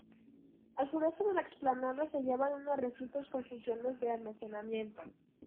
Al sureste de la explanada se hallaban unos recintos con funciones de almacenamiento.